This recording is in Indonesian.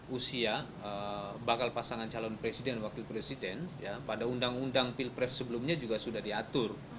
usia bakal pasangan calon presiden dan wakil presiden pada undang undang pilpres sebelumnya juga sudah diatur